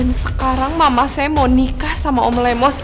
dan sekarang mama saya mau nikah sama om lemos